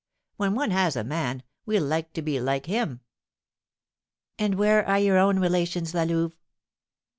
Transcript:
When one has a man, we like to be like him." "And where are your own relations, La Louve?"